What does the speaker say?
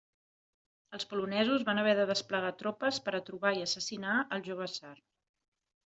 Els polonesos van haver de desplegar tropes per a trobar i assassinar al jove tsar.